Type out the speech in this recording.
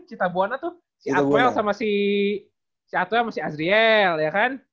cita buwana tuh si atwell sama si azriel ya kan